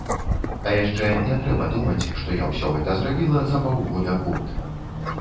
А яшчэ не трэба думаць, што я ўсё гэта зрабіла за паўгода-год.